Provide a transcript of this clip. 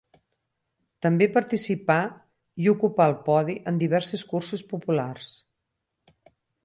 També participà i ocupà el podi en diverses curses populars.